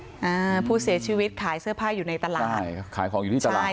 อ่าผู้เสียชีวิตขายเสื้อผ้าอยู่ในตลาดใช่ขายของอยู่ที่ตลาดใช่